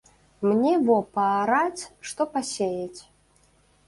Мне во паараць, што пасеяць.